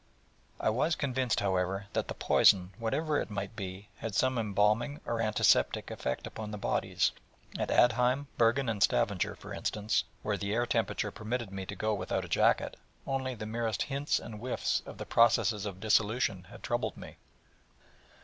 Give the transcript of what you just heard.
I was convinced, however, that the poison, whatever it might be, had some embalming, or antiseptic, effect upon the bodies: at Aadheim, Bergen and Stavanger, for instance, where the temperature permitted me to go without a jacket, only the merest hints and whiffs of the processes of dissolution had troubled me.